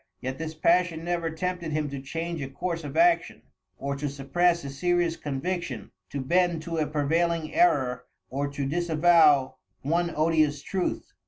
Yet this passion never tempted him to change a course of action or to suppress a serious conviction, to bend to a prevailing error or to disavow one odious truth."